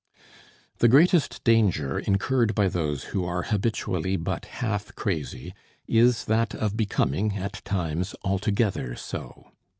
The greatest danger incurred by those who are habitually but half crazy, is that of becoming, at times, altogether so.